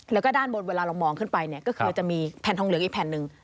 แล้วก็ด้านบนเวลาเรามองขึ้นไปเนี่ยก็คือจะมีแผ่นทองเหลืองอีกแผ่นหนึ่ง